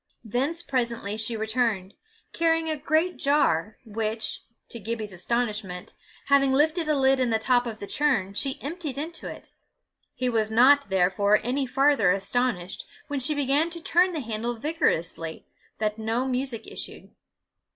Thence presently she returned, carrying a great jar, which, to Gibbie's astonishment, having lifted a lid in the top of the churn, she emptied into it; he was not, therefore, any farther astonished, when she began to turn the handle vigorously, that no music issued.